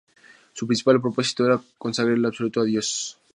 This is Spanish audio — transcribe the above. Su principal propósito era consagrarse en lo absoluto a Dios.